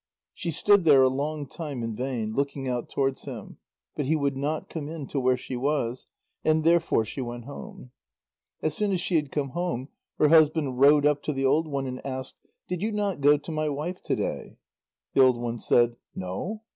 She stood there a long time in vain, looking out towards him, but he would not come in to where she was, and therefore she went home. As soon as she had come home, her husband rowed up to the old one, and asked: "Did you not go to my wife to day?" The old one said: "No."